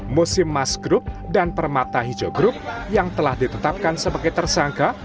musim mas group dan permata hijau group yang telah ditetapkan sebagai tersangka